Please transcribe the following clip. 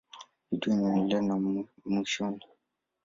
Video inaendelea na mwishoni.